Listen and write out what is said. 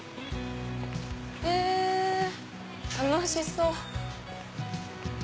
へぇ楽しそう！